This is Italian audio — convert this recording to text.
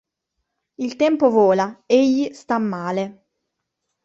Il tempo vola, egli sta male.